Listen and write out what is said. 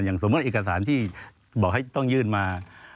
สมมุติเอกสารที่บอกให้ต้องยื่นมา